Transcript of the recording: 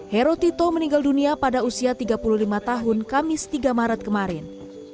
herotito meninggal dunia pada usia tiga puluh lima tahun kamis tiga maret kemarin